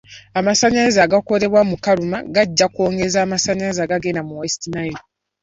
Amasanyalaze agakolebwa mu Karuma gajja kwongeza amasanyalaze agagenda mu West Nile.